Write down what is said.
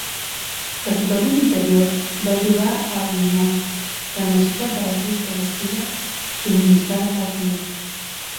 L'equipament interior va ajudar a eliminar la necessitat de la fusta d'estiba subministrada pel client.